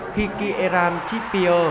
khi kỳ iran tipi